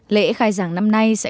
lễ khai giảng năm nay sẽ